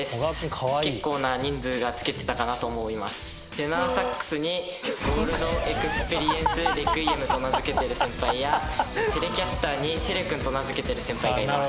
テナーサックスに「ゴールド・エクスペリエンス・レクイエム」と名付けている先輩やテレキャスターに「テレくん」と名付けている先輩がいます。